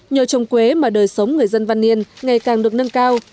nhờ trồng quế mà đời sống người dân văn yên ngày càng được nâng cao